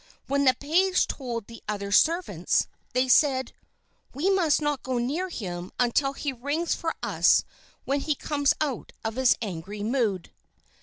When the page told the other servants, they said, "We must not go near him until he rings for us when he comes out of his angry mood."